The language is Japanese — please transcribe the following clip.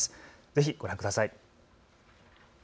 ぜひご覧ください。